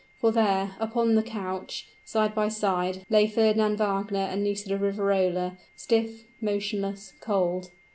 For there upon that couch side by side, lay Fernand Wagner and Nisida of Riverola stiff, motionless, cold.